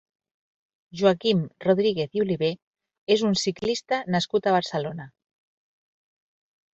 Joaquim Rodríguez i Oliver és un ciclista nascut a Barcelona.